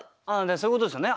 そういうことですよね